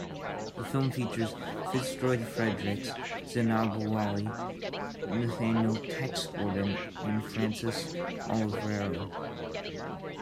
The film features Fitzroy Fredericks; Zeinab Wali; Nathanial "Tex" Gordon; and Frances Olivero.